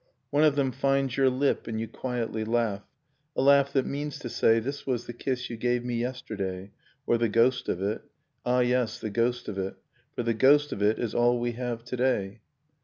. One of them finds your lip, and you quietly laugh, A laugh that means to say 'This was the kiss you gave me yesterday, Or the ghost of it — ah yes, the ghost of it ... For the ghost of it is all we have to day